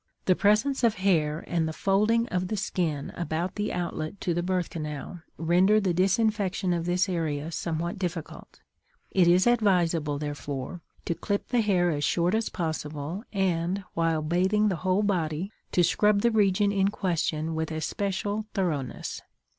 The presence of hair and the folding of the skin about the outlet to the birth canal render the disinfection of this area somewhat difficult. It is advisable, therefore, to clip the hair as short as possible and, while bathing the whole body, to scrub the region in question with especial thoroughness.